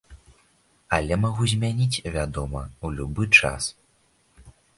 Але магу змяніць, вядома, у любы час.